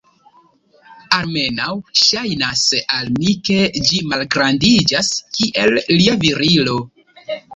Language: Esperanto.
Almenaŭ, ŝajnas al mi ke ĝi malgrandiĝas, kiel lia virilo.